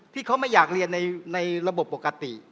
ที่เขาไม่อยากเรียนในระบบปกติ